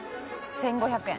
１５００円。